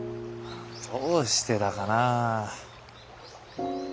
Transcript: どうしてだかなあ。